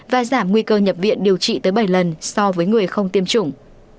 và giảm nguy cơ nhập viện điều trị tới bảy lần so với người không tiêm chủng